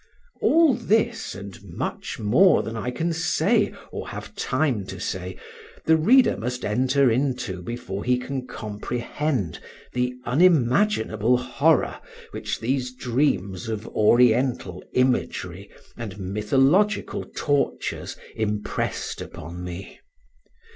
All this, and much more than I can say or have time to say, the reader must enter into before he can comprehend the unimaginable horror which these dreams of Oriental imagery and mythological tortures impressed upon me.